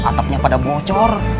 atapnya pada bocor